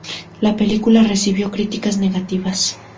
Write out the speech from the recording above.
La película recibió críticas negativas.